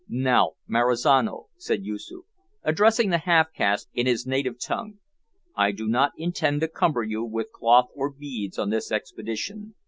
"Now, Marizano," said Yoosoof, addressing the half caste in his native tongue, "I do not intend to cumber you with cloth or beads on this expedition.